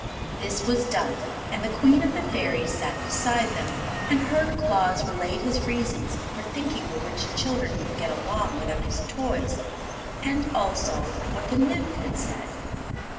This was done, and the Queen of the Fairies sat beside them and heard Claus relate his reasons for thinking the rich children could get along without his toys, and also what the Nymph had said.